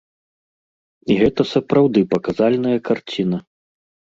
І гэта сапраўды паказальная карціна.